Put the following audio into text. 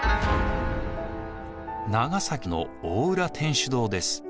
長崎の大浦天主堂です。